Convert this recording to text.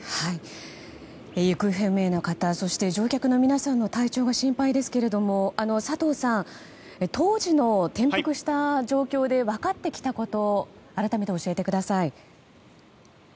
行方不明の方そして乗客の皆さんの体調が心配ですが佐藤さん、当時の転覆した状況で分かってきたこと改めて教えてください。